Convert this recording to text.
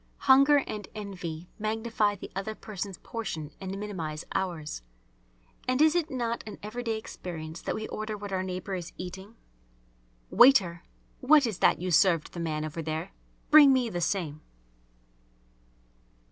Hunger and envy magnify the other person's portion and minimise ours. And is it not an everyday experience that we order what our neighbour is eating? "Waiter, what is that you served the man over there? Bring me the same!"